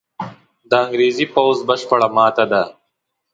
د انګرېزي پوځ بشپړه ماته ده.